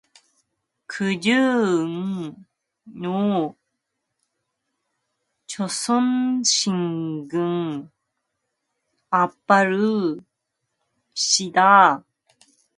그들은 호호 웃으며 조선신궁 앞을 지나 솔밭으로 내려와서 가지런히 앉았다.